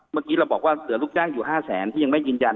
เมื่อกี้เราบอกว่าเหลือลูกจ้างอยู่๕แสนที่ยังไม่ยืนยัน